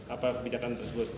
apa kebijakan tersebut